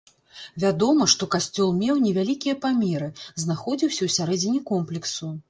Вядома, што касцёл меў невялікія памеры, знаходзіўся ў сярэдзіне комплексу.